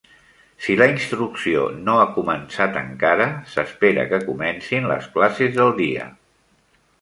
Si la instrucció no ha començat encara, s'espera que comencin les classes del dia.